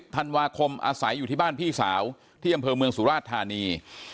ธันวาคมอาศัยอยู่ที่บ้านพี่สาวที่อำเภอเมืองสุราชธานี